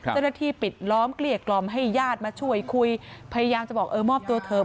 เจ้าหน้าที่ปิดล้อมเกลี้ยกล่อมให้ญาติมาช่วยคุยพยายามจะบอกเออมอบตัวเถอะ